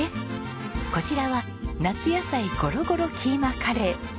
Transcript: こちらは夏野菜ゴロゴロキーマカレー。